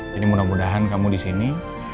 jadi mudah mudahan kamu di sini